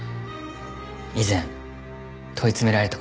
以前問い詰められた事があります。